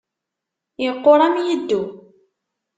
Iqquṛ am yiddew.